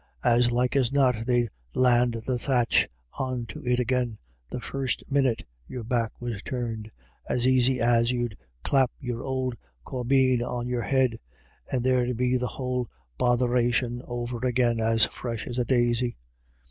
As like as not they'd land the thatch on to it agin, the first minnit your back was turned, as aisy as you'd clap your ould caubeen on your head, and there'd be the whole botheration over agin as fresh as a daisy."